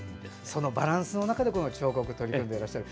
そのバランスの中で彫刻に取り組んでいらっしゃる。